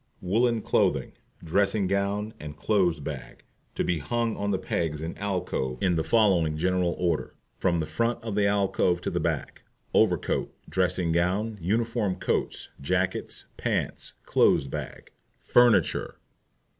Woollen Clothing, Dressing Gown, and Clothes Bag To be hung on the pegs in alcove in the following general order, from the front of the alcove to the back: Over Coat, Dressing Gown, Uniform Coats, Jackets, Pants, Clothes Bag. FURNITURE.